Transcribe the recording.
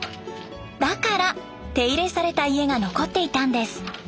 だから手入れされた家が残っていたんです。